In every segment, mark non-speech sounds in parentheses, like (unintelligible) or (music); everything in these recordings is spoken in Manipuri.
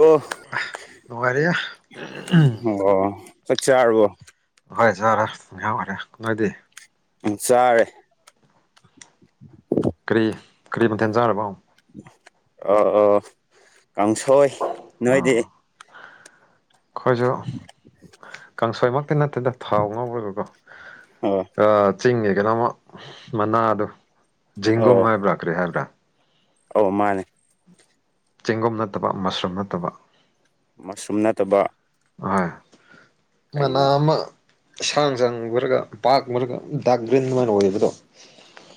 ꯑꯣ ꯅꯨꯡꯉꯥꯏꯔꯤꯌꯦ ꯑꯣ ꯆꯛ ꯆꯥꯥꯔꯕꯣ ꯍꯣꯏ ꯖꯥꯔꯦ ꯉꯩꯍꯥꯛ ꯑꯣꯏꯔꯦ ꯅꯣꯏꯗꯤ ꯆꯥꯔꯦ ꯀꯔꯤ ꯀꯔꯤ ꯃꯊꯦꯟ ꯆꯥꯔꯕꯧ ꯑ ꯑ ꯀꯥꯡꯁꯣꯏ ꯅꯣꯏꯗꯤ ꯈꯣꯏꯖꯨ ꯀꯥꯡꯁꯣꯏꯃꯛ ꯇꯦ ꯅꯠꯇꯦꯗ ꯊꯥꯎ ꯉꯧꯔꯒꯀꯣ ꯑꯣ ꯑ ꯆꯤꯡꯒꯤ ꯀꯩꯅꯣꯃ ꯃꯅꯥꯗꯣ ꯖꯤꯡꯒꯨꯝ ꯑꯣ ꯍꯥꯏꯕ꯭ꯔꯥ ꯀꯔꯤ ꯍꯥꯏꯕ꯭ꯔꯥ ꯑꯧ ꯃꯥꯅꯦ ꯆꯦꯡꯒꯨꯝ ꯅꯠꯇꯕ ꯃꯁꯔꯨꯝ ꯅꯠꯇꯕ ꯃꯁꯔꯨꯝ ꯅꯠꯇꯕ ꯍꯣꯏ ꯃꯥꯅ ꯀꯩꯅꯣ ꯑꯃ ꯑꯁꯥꯡ ꯆꯥꯡ ꯎꯔꯒ ꯕꯥꯛ ꯃꯨꯔꯒ ꯗꯥꯛ ꯒ꯭ꯔꯤꯟ ꯑꯣꯏꯅ ꯑꯣꯏꯕꯗꯣ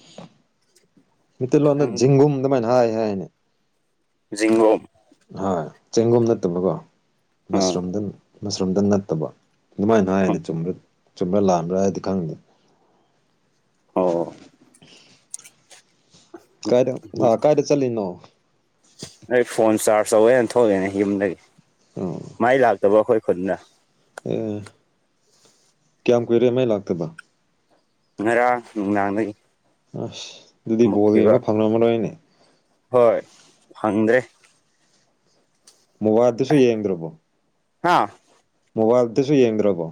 (inaudible) ꯃꯤꯇꯩꯂꯣꯟꯗ ꯈꯪꯗꯦ ꯖꯤꯡꯒꯨꯝ ꯗꯨꯃꯥꯏꯅ ꯍꯥꯏ ꯍꯥꯏꯅꯦ ꯖꯤꯡꯒꯨꯝ ꯍꯣꯏ ꯆꯦꯡꯒꯨꯝ ꯅꯠꯇꯕꯀꯣ ꯑꯥ ꯃꯁꯔꯨꯝꯗ ꯃꯁꯔꯨꯝꯗ ꯅꯠꯇꯕ ꯑꯗꯨꯃꯥꯏꯅ ꯍꯥꯏꯅꯦ ꯆꯨꯝꯕ꯭ꯔ ꯆꯨꯝꯕ꯭ꯔꯥ ꯂꯥꯟꯕ꯭ꯔꯥꯗꯤ ꯈꯪꯗꯦ ꯑꯣ ꯀꯥꯏꯗ ꯑ ꯀꯥꯏꯗ ꯆꯜꯂꯤꯅꯣ ꯑꯩ ꯐꯣꯟ ꯆꯥꯔꯖ ꯇꯧꯋꯦꯅ ꯊꯣꯛꯑꯦꯅꯦ ꯌꯨꯝꯗꯒꯤ ꯑꯣ ꯃꯩ ꯂꯥꯛꯇꯕ ꯑꯩꯈꯣꯏ ꯈꯨꯟꯅ ꯑꯦ ꯀꯌꯥꯝ ꯀꯨꯏꯔꯦ ꯃꯩ ꯂꯥꯛꯇꯕ ꯉꯔꯥꯡ ꯅꯨꯡꯅꯥꯡꯗꯒꯤ ꯑꯁ ꯑꯗꯨꯗꯤ ꯕꯣꯜ ꯌꯦꯡꯕ ꯐꯪꯂꯝꯃꯔꯣꯏꯅꯦ ꯍꯣꯏ ꯐꯪꯗ꯭ꯔꯦ ꯃꯣꯕꯥꯏꯜꯗꯁꯨ ꯌꯦꯡꯗ꯭ꯔꯕꯣ ꯍꯥꯥ ꯃꯣꯕꯥꯏꯜꯗꯁꯨ ꯌꯦꯡꯗ꯭ꯔꯕꯣ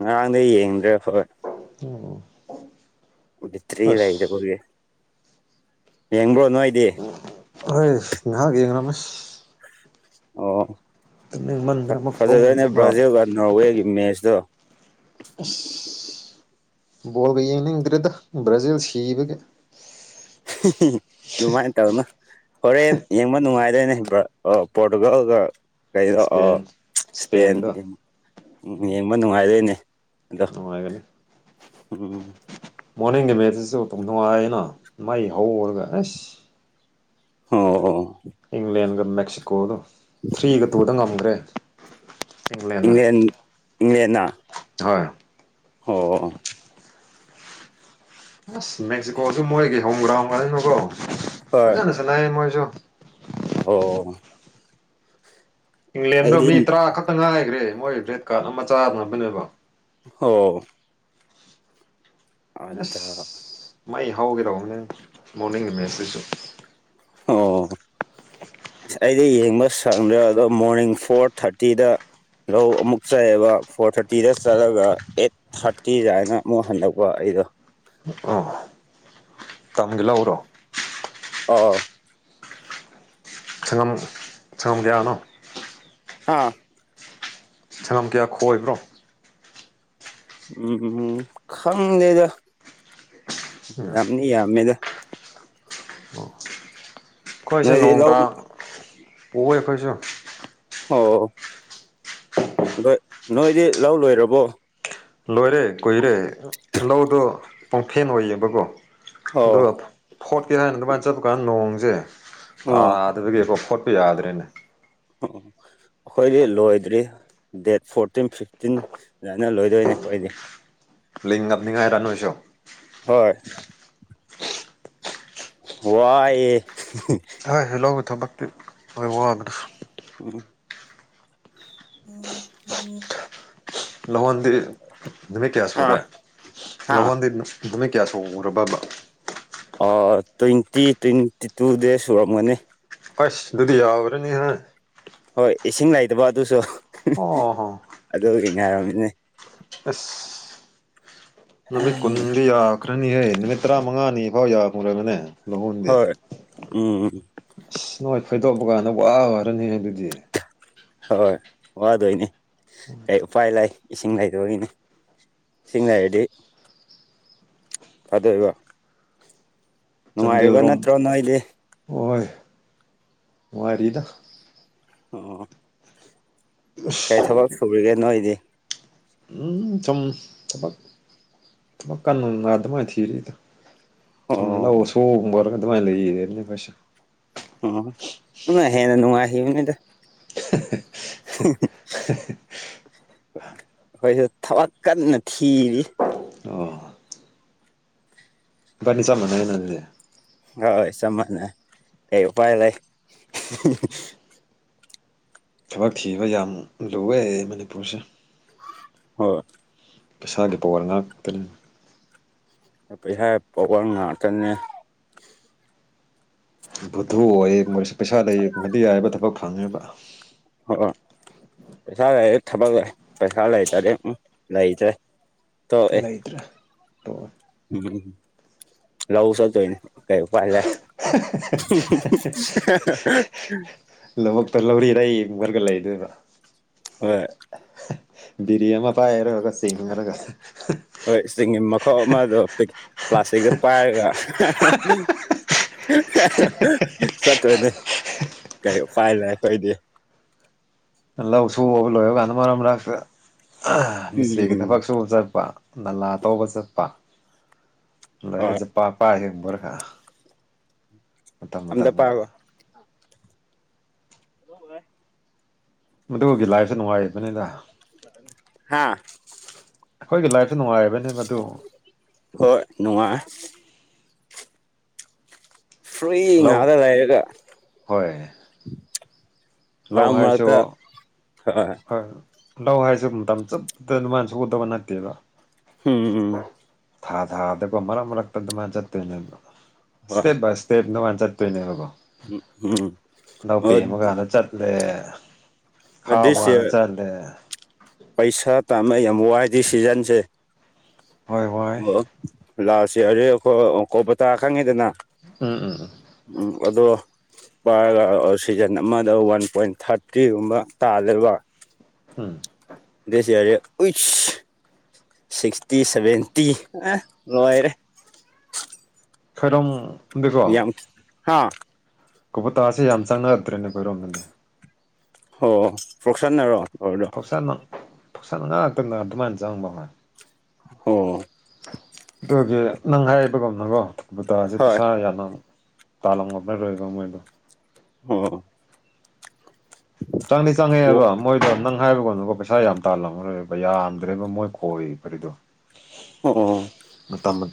ꯉꯔꯥꯡꯗꯩ ꯌꯦꯡꯗ꯭ꯔꯦ (unintelligible) ꯍꯣꯏ ꯑꯣ ꯕꯤꯇ꯭ꯔꯤ ꯑꯁ ꯂꯩꯗꯕꯒꯤ ꯌꯦꯡꯕ꯭ꯔꯣ ꯅꯣꯏꯗꯤ ꯍꯣꯏ ꯉꯍꯥꯛ ꯌꯦꯡꯉꯝꯃꯦ ꯑꯣ ꯑꯃꯨꯛ ꯇꯨꯝ ꯐꯖꯔꯦꯅꯦ ꯑ ꯕ꯭ꯔꯥꯖꯤꯜꯒ ꯅꯣꯔꯋꯦꯒꯤ ꯃꯦꯠꯁꯇꯣ ꯑꯁ ꯕꯣꯜꯒ ꯌꯦꯡꯅꯤꯡꯗ꯭ꯔꯦꯗ ꯕ꯭ꯔꯥꯖꯤꯜ ꯁꯤꯕꯒꯤ ꯍꯤꯍꯤ ꯗꯨꯃꯥꯏꯅ ꯇꯧꯅꯨ ꯍꯣꯔꯦꯟ ꯌꯦꯡꯕ ꯅꯨꯡꯉꯥꯏꯗꯣꯏꯅꯦ (unintelligible) ꯄꯣꯔꯇꯨꯒꯜꯒ ꯀꯩꯅꯣ ꯑ ꯁ꯭ꯄꯦꯟ ꯁ꯭ꯄꯦꯟ ꯁ꯭ꯄꯦꯟꯗꯣ ꯌꯦꯡꯕ ꯅꯨꯡꯉꯥꯏꯗꯣꯏꯅꯦ ꯗ ꯅꯨꯡꯉꯥꯏꯒꯅꯤ ꯎꯝ ꯃꯣꯔꯅꯤꯡꯒꯤ ꯃꯦꯠꯇꯁꯨ ꯇꯧ (unintelligible) ꯅꯨꯡꯉꯥꯏꯅ ꯃꯩ ꯍꯧꯔꯒ ꯑꯁ ꯑꯣ ꯑꯣ ꯏꯪꯂꯦꯟꯒ ꯃꯦꯛꯁꯤꯀꯣꯗꯣ ꯊ꯭ꯔꯤꯒ ꯇꯨꯗ ꯉꯝꯒ꯭ꯔꯦ ꯏꯪꯂꯦꯟꯅ ꯏꯪꯂꯦꯟ ꯏꯪꯂꯦꯟꯅ ꯍꯣꯏ ꯑꯣ ꯑꯁ ꯃꯦꯛꯁꯤꯀꯣꯁꯨ ꯃꯣꯏꯒꯤ ꯍꯣꯡꯒ꯭ꯔꯥꯎꯟ ꯉꯗꯅꯣꯀꯣ ꯍꯣꯏ ꯐꯖꯅ ꯆꯥꯟꯅꯩ ꯃꯣꯏꯁꯨ ꯑꯣ ꯏꯪꯂꯦꯟꯗꯣ ꯑꯩꯗꯤ ꯃꯤ ꯇꯔꯥ ꯈꯛꯇ ꯉꯥꯏꯈ꯭ꯔꯦ ꯃꯣꯏ ꯔꯦꯠ ꯀꯥꯔꯠ ꯑꯃ ꯆꯥꯗꯅꯕꯅꯦꯕ ꯑꯣ ꯑꯗ ꯑꯁ ꯃꯩ ꯍꯧꯥꯎꯈꯤꯗꯧꯕꯅꯦ ꯃꯣꯔꯅꯤꯡ ꯏꯃꯦꯖꯇꯨꯁꯨ ꯑꯣ ꯑꯁ ꯑꯩꯗꯤ ꯌꯦꯡꯕ ꯁꯪꯗ꯭ꯔꯦ ꯑꯗꯣ ꯃꯣꯔꯅꯤꯡ ꯐꯣꯔ ꯊꯥꯔꯇꯤꯗ ꯂꯧ ꯑꯃꯨꯛ ꯆꯥꯏꯑꯦꯕ ꯐꯣꯔ ꯊꯥꯔꯇꯤꯗ ꯆꯠꯂꯒ ꯑꯩꯠ ꯊꯥꯔꯇꯤ ꯁꯥꯏꯅ ꯑꯃꯨꯛ ꯍꯟꯗꯛꯄ ꯑꯩꯗꯣ (inaudible) ꯇꯝꯒꯦ ꯂꯧꯔꯣ ꯑ ꯁꯪꯉꯝ ꯁꯪꯉꯝ ꯀꯌꯥꯅꯣ ꯑꯥ ꯁꯅꯝ ꯀꯌꯥ ꯈꯣꯏꯕ꯭ꯔꯣ ꯎꯝ ꯈꯪꯗꯦꯗ ꯌꯥꯝꯅꯤ ꯌꯥꯝꯃꯦꯗ ꯑꯩꯈꯣꯏꯁꯦ ꯅꯣꯏꯗꯤ ꯂꯧ ꯅꯣꯡꯇ ꯎꯎꯏ ꯑꯩꯈꯣꯏꯁꯨ ꯑꯣ ꯅꯣꯏ ꯅꯣꯏꯗꯤ ꯂꯧ ꯂꯣꯏꯔꯕꯣ ꯂꯣꯏꯔꯦ ꯀꯨꯏꯔꯦ ꯂꯧꯗꯣ ꯄꯣꯡꯐꯦꯟ ꯑꯣꯏꯌꯦꯕꯀꯣ ꯑꯗ ꯑꯣ ꯐꯣꯔꯠꯀꯤꯦ ꯍꯥꯏꯅ ꯑꯗꯨꯃꯥꯏꯅ ꯆꯠꯄ ꯀꯥꯟꯗ ꯅꯣꯡꯁꯦ ꯑꯣ ꯇꯥꯗꯕꯒꯤꯀꯣ ꯈꯣꯠꯄ ꯌꯥꯗ꯭ꯔꯦꯅꯦ ꯑꯣ ꯑꯩꯈꯣꯏꯗꯤ ꯂꯣꯏꯗ꯭ꯔꯤ ꯗꯦꯠ ꯐꯣꯔꯇꯤꯟ ꯐꯤꯐꯇꯤꯟ ꯑꯗꯨꯃꯥꯏꯅ ꯂꯣꯏꯗꯣꯏꯅꯦ ꯑꯩꯈꯣꯏ ꯑꯩꯗꯤ ꯉꯥꯏꯔꯅꯣꯁꯣ ꯍꯣꯏ ꯋꯥꯏ ꯍꯣꯏ ꯍꯂꯣꯒꯤ ꯊꯕꯛꯇꯤ ꯍꯣꯏ ꯋꯥꯡꯕꯅꯁꯨ ꯎ ꯑꯣꯝ ꯎꯝ ꯂꯍꯣꯟꯗ ꯅꯃꯤ ꯀꯌꯥ ꯍꯥ ꯁꯨꯔꯦ ꯍꯥ ꯂꯍꯣꯟꯗꯤ ꯃꯃꯤ ꯀꯌꯥꯁꯨ ꯎꯔꯕ ꯑꯃ ꯑ ꯇ꯭ꯋꯦꯟꯇꯤ ꯇ꯭ꯋꯦꯟꯇꯤ ꯇꯨ ꯗꯦ ꯁꯨꯔꯝꯒꯅꯤ ꯑꯁ ꯑꯗꯨꯨꯗꯤ ꯌꯥꯕꯔꯅꯤ ꯍꯥꯏ ꯍꯣꯏ ꯏꯁꯤꯡ ꯂꯩꯇꯕ ꯑꯗꯨꯁꯨ ꯑꯣ ꯑꯗꯨꯒꯤ ꯉꯥꯏꯔꯝꯃꯤꯅꯦ ꯍ ꯅꯨꯃꯤꯠ ꯀꯨꯟꯗꯤ ꯌꯥꯈ꯭ꯔꯅꯤꯍꯦ ꯅꯨꯃꯤꯠ ꯇꯔꯥꯃꯉꯥꯅꯤ ꯐꯥꯎ ꯌꯥꯈꯔꯕꯅꯦ ꯍꯣꯏ ꯎꯝ ꯑꯁ ꯅꯣꯏ ꯈꯣꯏꯗꯣꯛꯄ ꯀꯥꯟꯗ ꯋꯥ ꯋꯥꯔꯅꯤ ꯑꯗꯨꯗꯤ ꯍꯣꯏ ꯋꯥꯗꯣꯏꯅꯤ ꯀꯩ ꯎꯄꯥꯏ ꯂꯩꯥꯏ ꯏꯁꯤꯡ ꯂꯩꯗꯣꯏꯒꯤꯅꯤ ꯊꯪꯅꯔꯗꯤ ꯐꯗꯕ ꯆꯟꯗꯦ꯭ꯔꯣꯝ ꯅꯣꯏꯗꯤ ꯍꯣꯏ ꯅꯨꯡꯉꯔꯤꯗ ꯑꯣ ꯀꯩ ꯊꯕꯛ ꯁꯨꯔꯤꯒꯦ ꯅꯣꯏꯗꯤ ꯎꯝ ꯊ ꯊ ꯀꯅ ꯉꯗꯃ ꯊꯔꯤꯗ ꯆꯨꯝ ꯂ ꯑꯣ ꯁꯣꯔꯒ ꯑꯗꯨꯃꯥꯏ ꯂꯩꯗꯦ ꯄꯁꯦ ꯑꯣ ꯎ ꯍꯦꯟꯅ ꯅꯨꯡꯉꯥꯏꯕꯅꯤꯗ ꯍ ꯍ ꯍ ꯑꯩꯈꯣꯏꯁꯨ ꯊꯕꯛ ꯀꯟꯅ ꯊꯤꯔꯤ ꯏꯕꯟꯅꯤ ꯆꯞ ꯃꯅꯩꯅꯦ ꯑꯗꯨꯗꯤ ꯍꯣꯏ ꯆꯞ ꯃꯅꯩ ꯀꯩ ꯎꯄꯥꯏ ꯂꯩ ꯊꯕꯛ ꯊꯤꯕ ꯌꯥꯝ ꯂꯨꯋꯦ ꯃꯅꯤꯄꯨꯔꯁꯦ ꯍꯣꯏ ꯄꯩꯁꯥꯒꯤ ꯄꯋ꯭ꯔꯥ ꯉꯥꯛꯇꯅꯤ ꯄꯩꯁꯥ ꯄꯣꯛꯀꯣꯟ ꯉꯥꯛꯇꯅꯦ ꯕꯨꯗꯨ ꯑꯣꯏꯌꯦ ꯃꯣꯏꯁꯨ ꯄꯩꯁꯥ ꯂꯩꯌꯦ ꯃꯣꯏꯗꯤ ꯌꯥꯔꯤꯕ ꯊꯕꯛ ꯐꯪꯉꯦꯕ ꯑꯣ ꯄꯩꯁꯥ ꯂꯩꯔꯦ ꯊꯕꯛ ꯂꯩ ꯄꯩꯁꯥ ꯂꯩꯇꯗꯤ ꯂꯩꯇꯦ ꯇꯣꯛ ꯑꯦ ꯂꯩꯇ꯭ꯔꯦ ꯇꯣꯛꯑꯦ ꯂꯥꯎ ꯆꯠꯇꯣꯏꯅꯦ ꯀꯩ ꯎꯄꯥꯏ ꯂꯩ ꯂꯧꯕꯨꯛꯇ ꯂꯧꯔꯤꯗ ꯑꯩ ꯑꯃꯨꯛ ꯌꯨꯡꯂꯒ ꯂꯩꯗꯣꯏꯕ ꯍꯣꯏ ꯕꯤꯔꯤꯌꯥ ꯑꯃ ꯄꯥꯏꯔꯒ ꯆꯤꯡꯂꯒ ꯍꯣꯏ ꯆꯤꯡꯒꯤ ꯃꯈꯥꯣꯛ ꯑꯃ ꯄ ꯄ꯭ꯂꯥꯁꯇꯤꯛꯇ ꯄꯥꯏꯔꯒ ꯆꯠꯇꯣꯏꯅꯦ ꯀꯩ ꯐꯥꯏ ꯂꯩ ꯑꯩꯈꯣꯏꯗꯤ ꯂꯧ ꯁꯨꯕꯒ ꯂꯣꯏꯕ ꯀꯥꯟꯗ ꯃꯔꯛ ꯃꯔꯛꯇ ꯃꯤꯁꯇ꯭ꯔꯤꯒꯤ ꯎꯝ ꯊꯕꯛ ꯁꯨꯕ ꯆꯠꯄ ꯅꯂꯥ ꯇꯧꯕ ꯆꯠꯄ ꯍꯣꯏ ꯂꯣꯏꯔꯒ ꯌꯣꯛꯄꯛ ꯄꯥꯏꯔꯒ ꯍꯣꯏ ꯍ ꯃꯇꯝ ꯑꯝꯇ ꯃꯇꯝꯒꯤ ꯄꯥꯏꯈꯣ ꯍꯕ ꯃꯗꯨꯒꯤ ꯂꯥꯏꯐꯇꯣ ꯅꯨꯡꯉꯥꯏꯕꯅꯤꯗ ꯍꯥꯥ ꯑꯩꯈꯣꯏꯒꯤ ꯂꯥꯏꯐꯇꯣ ꯅꯨꯡꯉꯥꯏꯕꯅꯤ ꯍꯣꯏ ꯅꯨꯡꯉꯥꯏ ꯐ꯭ꯔꯦ ꯂꯧ ꯉꯛꯇ ꯂꯩꯔꯒ ꯍꯣꯏ ꯂꯧ ꯃꯔꯛ ꯍꯥꯏꯁꯨ ꯃꯔꯛꯇ ꯍꯣꯏ ꯂꯧ ꯍꯥꯏꯁꯦ ꯃꯇꯝ ꯆꯞꯄꯗ ꯑꯗꯨꯃꯥꯏꯅꯁꯨ ꯎꯗꯕ ꯅꯠꯇꯦꯕ ꯎꯝ ꯎꯝ ꯊꯥ ꯊꯥꯗꯀꯣ ꯃꯔꯛ ꯃꯔꯛꯇ ꯑꯗꯨꯃꯥꯏꯅ ꯆꯠꯇꯣꯏꯅꯦꯕ ꯁꯇꯦꯞ ꯕꯥꯏ ꯏꯁꯇꯦꯞ ꯑꯗꯨꯃꯥꯏꯅ ꯆꯠꯇꯣꯏꯅꯦꯕꯀꯣ ꯎꯝ ꯑ ꯑ ꯑꯗꯨꯏꯁꯦ ꯄꯩꯁꯥ ꯇꯥꯅ ꯌꯥꯝ ꯋꯥꯏꯗ ꯁꯤꯖꯟꯁꯦ ꯍꯣꯏ ꯍꯣꯏ ꯑꯣ ꯂꯥꯛꯑꯁꯤ ꯑꯔꯦ ꯑꯩꯈꯣꯏ ꯀꯣꯄ ꯇꯥ ꯈꯪꯉꯤꯗꯅ ꯎꯝ ꯎꯝ ꯎꯝ ꯎꯝ ꯑꯗꯣ ꯄꯥꯏꯔꯒ ꯁꯤꯖꯟ ꯑꯃꯗ ꯋꯥꯟ ꯄꯣꯏꯟ ꯊꯥꯔꯇꯤꯒꯨꯝꯕ ꯇꯥꯜꯂꯦꯕ ꯎꯝ ꯗꯁ ꯌꯥꯔꯦ ꯁꯤꯛꯇꯤ ꯁꯚꯦꯟꯇꯤ ꯑ ꯑꯣꯏꯔꯦ ꯈꯔꯝꯗꯀꯣ ꯍꯥꯥ ꯀꯣꯕꯇꯥꯁꯦ ꯌꯥꯝ ꯆꯪꯅꯔꯛꯇ꯭ꯔꯦꯅꯦ ꯈꯣꯏꯔꯣꯝꯗꯗꯤ ꯑꯣ ꯄ꯭ꯔꯁꯥꯟꯅꯔꯣ ꯐꯧꯁꯥ ꯐꯧꯁꯥ ꯉꯥꯛ ꯉꯥꯛꯛꯇꯅ ꯑꯗꯨꯃꯥꯏꯅ ꯆꯪꯕ ꯍꯣꯏ ꯑꯣ ꯑꯗꯨꯒꯤ ꯅꯪ ꯍꯥꯏꯕꯒꯨꯝꯅꯀꯣ ꯊꯄꯇꯥꯁꯦ ꯍꯣꯏ ꯄꯩꯁꯥ ꯌꯥꯝꯅ ꯑꯃꯨ ꯇ ꯂꯝꯅ ꯔꯣꯏꯗ ꯑꯣꯏꯣꯏꯗ ꯑꯣ (inaudible) ꯆꯪꯅꯤ ꯑꯣ ꯆꯪꯉꯦꯑꯕ ꯃꯣꯏꯗꯣ ꯅꯪ ꯍꯥꯏꯕꯒꯗꯀꯣ ꯄꯩꯁꯥ ꯌꯥꯝ ꯇꯥꯜꯂꯝꯃꯔꯣꯏꯕ ꯌꯥꯝꯗ꯭ꯔꯦꯕ ꯃꯣꯏ ꯈꯣꯏꯕꯔꯤꯗꯣ ꯑꯣ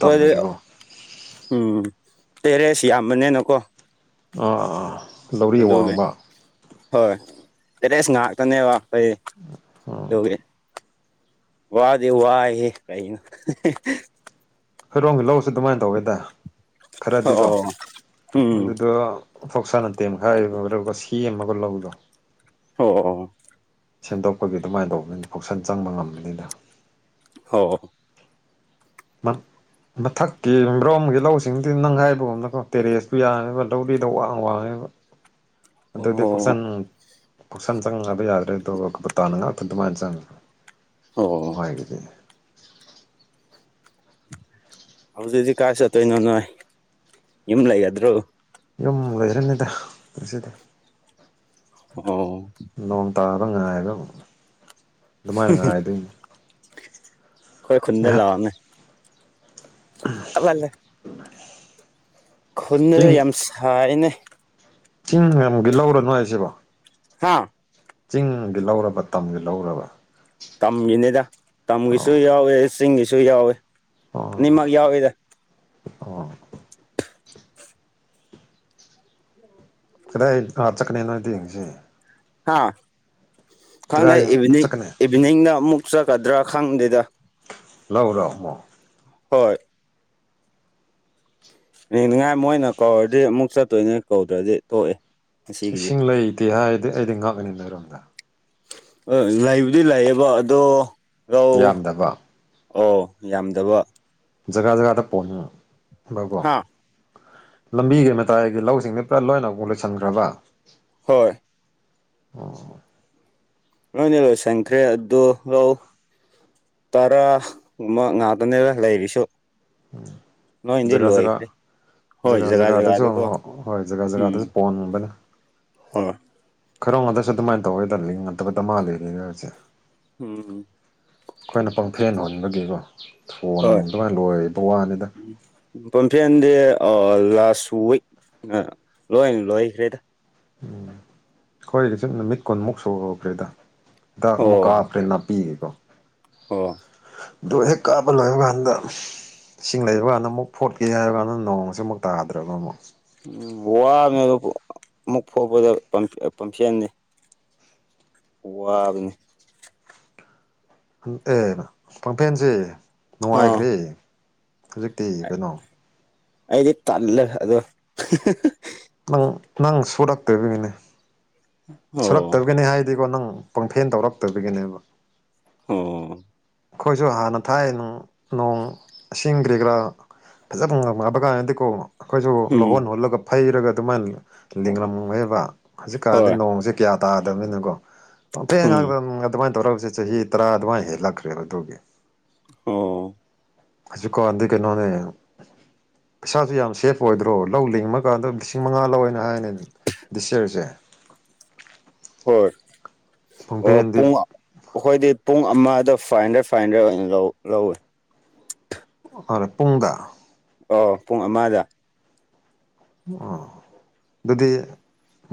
ꯍꯣꯏ ꯑꯗꯨ ꯎꯝ ꯇꯦꯔꯦꯁ ꯌꯥꯝꯕꯅꯦꯅꯀꯣ ꯑꯥꯥ ꯂꯧꯔꯤ ꯑꯋꯥꯡꯕ ꯍꯣꯏ ꯇꯦꯔꯦꯁ ꯉꯥꯛꯇꯅꯦꯕ ꯑꯩꯩ ꯎꯝ ꯑꯗꯨꯒꯤ ꯋꯥꯗ ꯋꯥꯦ ꯀꯥꯏꯅ ꯍꯣꯏꯔꯣꯡꯝꯒꯤ ꯂꯧꯁꯤ ꯑꯗꯨꯃꯥꯏꯅ ꯇꯧꯋꯦꯗ ꯈꯔꯗꯤꯀꯣ ꯑꯣ ꯎꯝ ꯑꯗꯨꯗ ꯐꯧꯁꯥꯅ ꯇꯦꯝ ꯃꯈꯈꯥꯏꯒ ꯁꯤ ꯑꯃꯒ ꯂꯧꯗꯣ ꯑꯣ ꯑꯣ (unintelligible) (inaudible) ꯁꯦꯝꯗꯣꯛꯄꯒꯤ ꯑꯗꯨꯃꯥꯏꯅ ꯇꯧꯕꯅꯤꯅ ꯐꯪꯁꯟ ꯆꯪꯕ ꯉꯝꯕꯅꯤꯅ ꯍ (unintelligible) (inaudible) ꯃꯥ (inaudible) ꯃꯊꯛꯀꯤ ꯃ꯭ꯔꯣꯝꯒꯤ ꯂꯧꯁꯤꯡꯗꯨ ꯅꯪ ꯍꯥꯏꯥꯏꯕꯒꯨꯝꯅꯀꯣ ꯇꯦꯔꯦꯁꯄꯨ ꯌꯥꯉꯕ ꯂꯧꯔꯤꯗ ꯋꯥꯡ ꯋꯥꯡꯉꯤꯕ ꯑꯗꯨꯗꯤ ꯑꯣ ꯄꯨꯁꯟ ꯄꯨꯁꯟ ꯆꯪꯕ ꯌꯥꯗ꯭ꯔꯦ ꯑꯇꯣꯞ ꯑꯀꯣꯄ ꯇꯥꯅ ꯉꯥꯛꯇ ꯑꯗꯨꯃꯥꯏꯅ ꯆꯪꯉ ꯑꯣ ꯅꯨꯡꯥꯏꯒꯤꯗꯤ ꯍꯧꯗꯗꯤ ꯀꯥꯁꯠꯇ ꯏꯅꯣꯅ ꯏꯝ ꯂꯩꯗ꯭ꯔꯣ ꯎꯝ ꯂꯣꯏꯈ꯭ꯔꯅꯦꯗꯁꯤꯗ ꯑꯣ ꯏꯉꯕ (inaudible) ꯑꯗꯨ ꯃꯥꯥꯏꯅ ꯉꯗ ꯑꯩꯈꯣꯏ ꯑ ꯑꯂꯦ ꯈꯨꯜꯗ ꯌꯥꯝ ꯁꯥꯏꯅꯦ ꯆꯤꯡꯃꯨꯛ ꯂꯧꯔꯅꯅꯨꯡ ꯍꯥꯏꯁꯤꯕꯣ ꯍꯥꯥ (inaudible) ꯆꯤꯡꯒꯤ ꯂꯧꯔꯕ ꯇꯝꯒꯤ ꯂꯧꯔꯕ ꯇꯝꯒꯤꯅꯤꯗ ꯇꯝꯒꯤꯁꯨ ꯑꯣ ꯌꯥꯎꯋꯦ ꯆꯤꯡꯒꯤꯁꯨ ꯌꯥꯎꯋꯦ ꯑꯣ ꯅꯤꯡꯃ ꯌꯥꯎꯗ ꯑꯣ ꯀꯗꯥꯏ ꯑꯩ ꯆꯠꯀꯅꯤ ꯅꯣ ꯌꯦꯡꯁꯤ ꯍꯥ ꯈꯪꯗꯦ ꯏꯚꯤꯅꯤꯡ ꯆꯠꯀꯅꯤ ꯏꯚꯤꯅꯤꯡꯗ ꯑꯃꯨꯛ ꯆꯠꯀꯗ꯭ꯔꯥ ꯈꯪꯗꯦꯗ ꯂꯧ ꯂꯑꯣ ꯃ ꯍꯣꯏ ꯌꯦꯡꯅꯤꯡꯉꯥꯏ ꯃꯣꯏꯅ ꯀꯧꯔꯗꯤ ꯑꯃꯨꯛ ꯆꯠꯇꯣꯏꯅꯦ ꯀꯧꯗ꯭ꯔꯗꯤ ꯊꯣꯛꯏꯦ ꯏꯁꯤꯡ ꯂꯩꯇꯦ ꯍꯥꯏꯗꯤ ꯑꯩꯗꯤ ꯉꯛꯀꯅꯤꯅꯔꯣꯝꯗ ꯑ ꯂꯩꯕꯨꯗꯤ ꯂꯩꯌꯦꯕ ꯑꯗꯣ ꯔꯧ ꯌꯥꯝꯗꯕ ꯑꯣ ꯌꯥꯝꯗꯕ ꯖꯒꯥ ꯖꯒꯥꯗ ꯄꯣꯛꯅꯤꯡ ꯕꯔꯕꯣ ꯍꯥ ꯂꯝꯕꯤꯒꯤ ꯃꯇꯥꯏꯒꯤ ꯂꯧꯁꯤꯡꯗꯤ ꯄꯨꯔꯥ ꯂꯣꯏꯅ ꯑꯃꯨꯛ ꯂꯣꯏꯁꯤꯟꯈ꯭ꯔꯕ ꯍꯣꯏ ꯑꯣ ꯂꯣꯏꯅꯦ ꯂꯣꯏ ꯁꯪꯀꯔꯦ ꯑꯗꯨ ꯑꯗꯨ ꯂꯎ ꯇꯔꯥꯒꯨꯝꯕ ꯉꯥꯛꯇꯅꯦꯅ ꯂꯩꯔꯤꯁꯨ ꯅꯗꯤ ꯖꯒꯥ ꯂꯏ ꯖꯒꯥ ꯈꯔ ꯖꯒꯥ ꯖꯒꯥꯗꯁꯨ ꯍꯣꯏ ꯖꯒꯥ ꯎꯝ ꯖꯒꯥꯗꯁꯨ ꯄꯣꯟꯟ ꯃꯕꯅ ꯍꯣꯏ ꯈꯔꯣ ꯉꯇ꯭ꯔꯁꯨ ꯑꯗꯨꯃꯥꯏꯅ ꯇꯧꯔꯒꯗꯜꯂꯤ ꯅꯠꯇꯕꯗ ꯃꯥꯜꯂꯤꯕꯁꯦ ꯎꯝ ꯑꯩꯈꯣꯏꯅ ꯄꯪꯐꯦꯟ ꯍꯨꯟꯕꯒꯤꯀꯣ ꯊꯣꯟ ꯑꯗꯨꯃꯥꯏꯅ ꯂꯣꯏꯔ ꯄꯝꯐꯤꯟꯗꯤ ꯑ ꯂꯥꯁꯨꯏ ꯂꯣꯏ ꯂꯣꯏꯈ꯭ꯔꯦꯗ ꯎꯝ ꯑꯩꯈꯣꯏꯒꯤ ꯁꯨꯝ ꯅꯨꯃꯤꯠ ꯀꯨꯟꯃꯨꯛ ꯁꯨꯍꯈ꯭ꯔꯦꯗ ꯗ ꯃꯨꯀꯥ ꯐꯔꯦꯅ ꯄꯤ ꯍ ꯗ ꯍ ꯀꯥ ꯄꯜꯂ ꯈꯥꯟꯗ ꯏꯁꯤꯡ ꯂꯩꯕ ꯀꯥꯟꯗ ꯑꯃꯨꯛ ꯐꯣꯠꯀꯦ ꯍꯥꯏꯔꯕ ꯀꯥꯟꯗ ꯅꯣꯡꯃꯁꯤ ꯑꯃꯨꯛ ꯇꯥꯗ꯭ꯔꯕꯅ ꯑꯃꯨꯛ ꯎꯝ ꯋꯥꯕꯅꯦ ꯑꯗꯨ ꯑꯃꯨꯛ ꯐꯥꯎꯕꯗ ꯄꯝꯁꯅꯤ ꯋꯥꯕꯅꯤ ꯑꯦ ꯄꯥꯡꯐꯦꯟꯁꯦ ꯑꯥ ꯅꯨꯡꯉꯥꯏꯈ꯭ꯔꯦ ꯍꯧꯖꯤꯛꯇꯤ ꯀꯩꯅꯣ ꯑꯩꯗꯤ ꯇꯜꯂꯦ ꯑꯗꯣ ꯅꯪ ꯅꯪ ꯁꯣ ꯗꯥꯛꯇꯔꯕꯉꯅꯦ ꯑꯣ ꯁꯨꯔꯛꯇꯕꯒꯤꯅꯦ ꯍꯥꯏꯗꯤꯀꯣ ꯅꯪ ꯄꯪꯐꯦꯟ ꯇꯧꯔꯛꯇꯕꯤꯒꯤꯅꯦꯕ ꯑꯣ ꯑꯩꯈꯣꯏꯁꯨ ꯍꯥꯟꯅ ꯊꯥꯏ ꯅꯣꯡ ꯁꯤꯡꯈ꯭ꯔꯤꯒꯔꯥ ꯐꯖꯕꯒꯗꯤ ꯀꯅꯣ ꯑꯩꯈꯣꯏꯁꯨ ꯎꯝ ꯂꯧꯍꯣꯟ ꯍꯣꯜꯂꯒ ꯐꯩꯔꯒ ꯑꯗꯨꯃꯥꯏꯅ ꯂꯤꯡꯡꯂꯝꯃꯦꯦꯕ ꯍꯧꯖꯤꯛꯀꯥꯟꯗꯤ ꯍꯣꯏ ꯅꯣꯡ ꯇꯅꯤꯣ ꯎꯝ ꯑꯗꯨꯃꯅ ꯇꯧꯔꯒ ꯆꯍꯤ ꯇꯔꯥ ꯑꯗꯨꯃꯥꯏꯅ ꯍꯦꯜꯂꯛꯈ꯭ꯔꯦꯕ ꯑꯗꯨꯒꯤ ꯑꯣ ꯆ ꯀꯗꯤ ꯀꯩꯅꯩꯅꯣꯅꯦ ꯄꯩꯁꯥꯁꯨ ꯌꯥꯝ ꯁꯦꯐ ꯑꯣꯏꯗ꯭ꯔꯣ ꯂꯧ ꯂꯤꯡꯉꯀꯥꯟꯗ ꯂꯤꯁꯤꯡ ꯃꯉꯥ ꯂꯧꯦꯅ ꯍꯥꯏꯅꯤ ꯗꯤꯁꯌꯔꯁꯦ ꯍꯣꯏ ꯑꯣ ꯄꯨꯡꯐꯦꯟꯗꯤ ꯄꯨꯡ ꯑꯩꯈꯣꯏꯗꯤ ꯄꯨꯡ ꯑꯃ ꯐꯥꯏꯚ ꯍꯟ꯭ꯔꯦ ꯐꯥꯏꯚ ꯍꯟ꯭ꯔꯦ ꯂ ꯂꯧꯋꯦ ꯑꯔ ꯄꯨꯡꯒꯥ ꯑꯣ ꯄꯨꯡ ꯑꯃꯗ ꯑꯣ ꯑꯗꯨꯗꯤ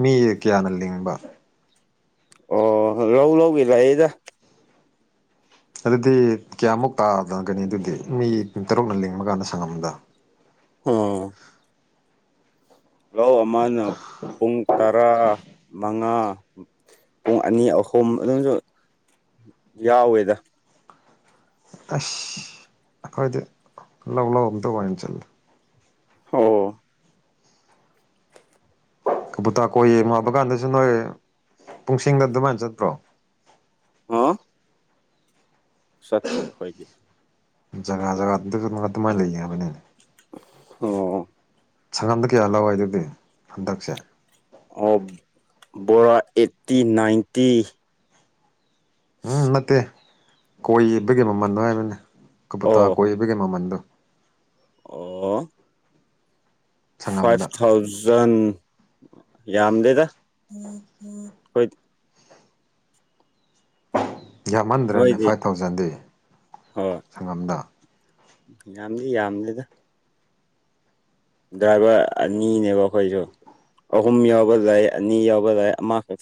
ꯃꯤ ꯀꯌꯥꯅ ꯂꯤꯡꯕ ꯑꯣ ꯂꯧ ꯂꯧꯒꯤ ꯂꯥꯛꯌꯦꯗ ꯑꯗꯨꯗꯤ ꯀꯌꯥꯃꯨꯛ ꯇꯥꯗꯒꯅꯤ ꯑꯗꯨꯗꯤ ꯃꯤꯨꯡ ꯇꯔꯨꯛꯅ ꯂꯤꯡꯃꯀꯥꯟꯗ ꯁꯪꯉꯝꯗ ꯑꯣ ꯂꯧ ꯑꯃꯅ ꯄꯨꯡ ꯇꯔꯥ ꯃꯉꯥ ꯄꯨꯡ ꯑꯅꯤ ꯑꯍꯨꯝ ꯑꯗꯨꯝꯁꯨ ꯌꯥꯎꯋꯦꯗ ꯑꯁ ꯑꯩꯈꯣꯏꯗꯤ ꯂꯧ ꯂꯧ ꯑꯝꯇ ꯋꯥꯅ ꯆꯜꯂ ꯑꯣ ꯀꯕꯨꯇꯥ ꯀꯣꯏꯌꯦ ꯃꯥꯕ ꯀꯥꯟꯗꯁꯨ ꯅꯣꯏ ꯄꯨꯡꯁꯤꯡꯗ ꯑꯗꯨꯃꯥꯏꯅ ꯆꯠꯇ꯭ꯔꯣ ꯍꯥꯥ ꯁꯠꯦ ꯍꯗꯤ ꯖꯒꯥ ꯖꯒꯥ ꯑꯗꯨ ꯑꯗꯨꯃꯥꯏ ꯂꯩꯕꯅꯦ ꯑꯣ ꯁꯪꯒꯝꯗ ꯀꯌꯥ ꯂꯧꯋꯦ ꯑꯗꯨꯗꯤ ꯍꯟꯗꯛꯁꯦ ꯑꯣ ꯕꯣꯔꯥ ꯑꯩꯠꯇꯤ ꯅꯥꯏꯟꯇꯤ ꯎꯝ ꯅꯠꯇꯦ ꯀꯣꯏꯕꯒꯤ ꯃꯃꯜꯗꯣ ꯍꯥꯏꯕꯅꯤ ꯀꯄꯇꯥ ꯑꯣ ꯀꯣꯏꯕ ꯀꯃ ꯃꯟꯗꯣ ꯑꯣ ꯐꯥꯏꯚ ꯁꯪꯉꯝꯗ ꯊꯥꯎꯖꯟ ꯌꯥꯝꯗꯦꯗ ꯍꯣꯏ ꯌꯥꯝꯃꯟꯗ꯭ꯔꯦꯅꯦ ꯅꯣꯏꯗꯤ ꯐꯥꯏꯚ ꯊꯥꯎꯖꯟꯗꯤ ꯍꯣꯏ ꯁꯪꯉꯝꯗ ꯌꯥꯝꯗꯤ ꯌꯥꯝꯂꯗ ꯗ꯭ꯔꯥꯏꯚꯔ ꯑꯅꯤꯅꯦꯕ ꯑꯩꯈꯣꯏꯗꯨ ꯑꯍꯨꯝ ꯌꯥꯎꯕ ꯂꯏ ꯑꯅꯤ ꯌꯥꯎꯕ ꯂꯏ ꯑꯃ ꯈ